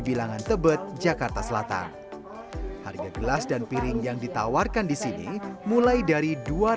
wilangan tebet jakarta selatan harga gelas dan piring yang ditawarkan disini mulai dari